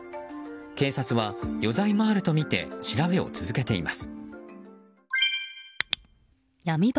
警察は余罪もあるとみて調べを続けています。